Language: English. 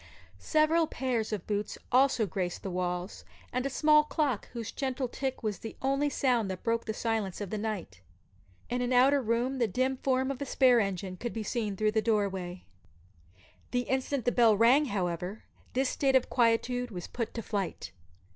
Several pairs of boots also graced the walls, and a small clock, whose gentle tick was the only sound that broke the silence of the night. In an outer room the dim form of a spare engine could be seen through the doorway. The instant that the bell rang, however, this state of quietude was put to flight.